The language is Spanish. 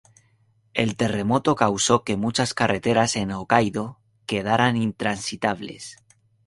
El terremoto causó que muchas carreteras en Hokkaido quedaran intransitables.